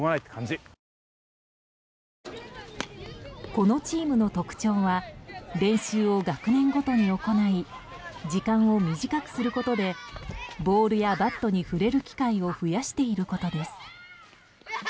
このチームの特徴は練習を学年ごとに行い時間を短くすることでボールやバットに触れる機会を増やしていることです。